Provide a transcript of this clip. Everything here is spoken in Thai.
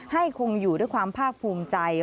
คงอยู่ด้วยความภาคภูมิใจ